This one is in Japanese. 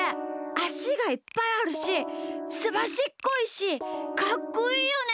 あしがいっぱいあるしすばしっこいしかっこいいよね？